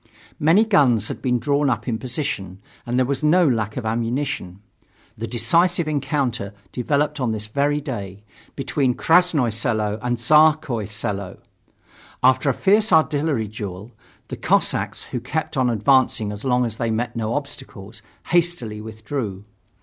Many guns had been drawn up in position, and there was no lack of ammunition. The decisive encounter developed on this very day, between Krasnoye Selo and Tsarskoye Selo. After a fierce artillery duel, the Cossacks, who kept on advancing as long as they met no obstacles, hastily withdrew.